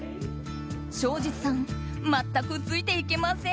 庄司さん全くついていけません。